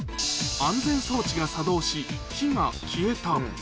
安全装置が作動し、火が消えた。